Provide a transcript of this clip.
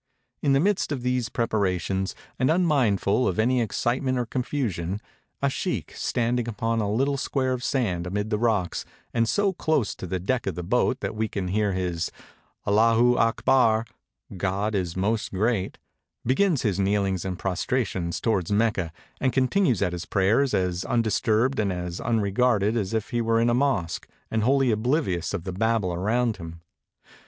In the midst of these preparations, and immindful of any excitement or confusion, a sheikh, standing upon a little square of sand amid the rocks, and so close to the deck of the boat that we can hear his "Allahoo Akbar" (God is most Great), begins his kneelings and prostra 257 EGYPT tions towards Mecca, and continues at his prayers, as un disturbed and as unregarded as if he were in a mosque, and wholly oblivious of the Babel around him.